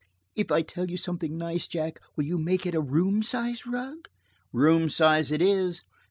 "If I tell you something nice, Jack, will you make it a room size rug?" "Room size it is."